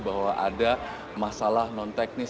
bahwa ada masalah non teknis